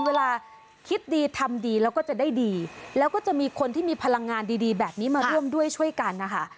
เวลาคิดดีทำดีแล้วก็จะได้ดีแล้วก็จะมีคนที่มีพลังงานดีแบบนี้มาร่วมด้วยช่วยกันนะคะ